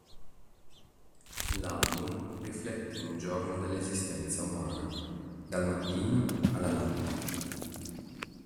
L'album riflette un giorno dell'esistenza umana, dal mattino alla notte.